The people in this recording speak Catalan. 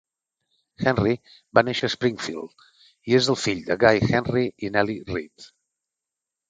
Henry va néixer a Springfield i és el fill de Guy Henry i Nellie Reed.